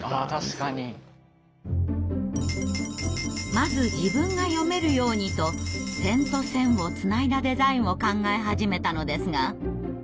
「まず自分が読めるように」と点と線をつないだデザインを考え始めたのですが。